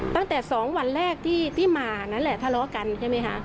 ตั้งแต่๒วันแรกที่มานั่นแหละทะเลาะกันใช่ไหมคะ